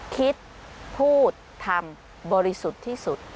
คิดพูดทำบริสุทธิ์ที่สุด